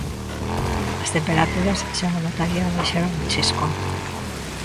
As temperaturas, xa o notaría, baixaron un chisco.